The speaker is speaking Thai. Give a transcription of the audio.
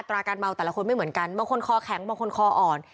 ราการเมาแต่ละคนไม่เหมือนกันบางคนคอแข็งบางคนคออ่อน